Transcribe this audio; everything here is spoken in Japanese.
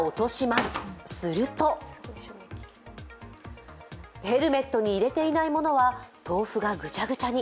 するとヘルメットに入れていないものは豆腐がぐちゃぐちゃに。